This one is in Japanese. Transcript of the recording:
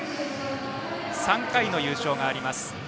３回の優勝があります。